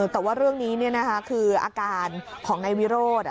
แต่ว่าเรื่องนี้คืออาการของนายวิโรธ